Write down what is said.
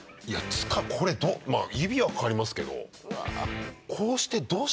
これ指は掛かりますけど。